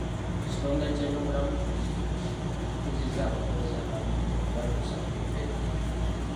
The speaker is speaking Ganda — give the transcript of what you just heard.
Ekitongole ky'ebyobulamu ku disitulikiti kikuzizza abakozi abamu okubatuusa mu bifo ebinene.